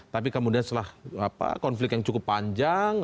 tapi kemudian setelah konflik yang cukup panjang